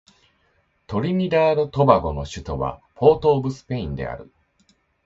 トリニダード・トバゴの首都はポートオブスペインである